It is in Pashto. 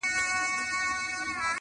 بېګا مي خوب کي لیدل لویه تماشه یمه زه.